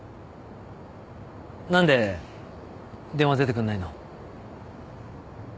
何で電話出てくんないの？